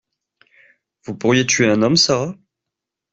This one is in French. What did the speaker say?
Vous pourriez tuer un homme, Sara?